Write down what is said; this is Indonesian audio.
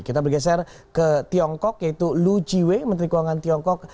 kita bergeser ke tiongkok yaitu lu chiwe menteri keuangan tiongkok